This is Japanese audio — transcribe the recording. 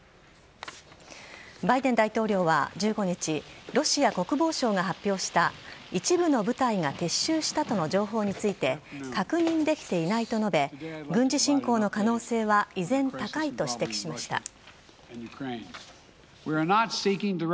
バイデン大統領は１５日、ロシア国防省が発表した、一部の部隊が撤収したとの情報について、確認できていないと述べ、軍事侵攻の可能性は依然高いと指摘しました。